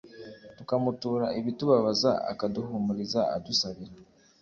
tukamutura ibitubabaza, akaduhumuriza adusabira